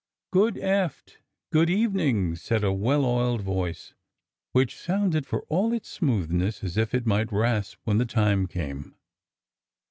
'' Good aft— good evening !" said a well oiled voice, which sounded, for all its smoothness, as if it might rasp when the time came.